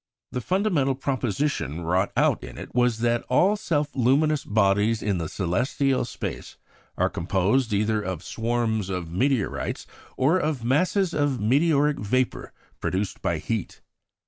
The fundamental proposition wrought out in it was that "all self luminous bodies in the celestial space are composed either of swarms of meteorites or of masses of meteoric vapour produced by heat."